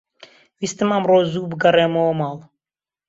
ویستم ئەمڕۆ زوو بگەڕێمەوە ماڵ.